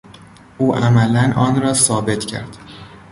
او عملا آن را ثابت کرد.